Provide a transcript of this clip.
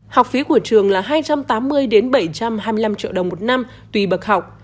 học phí của trường là hai trăm tám mươi bảy trăm hai mươi năm triệu đồng một năm tùy bậc học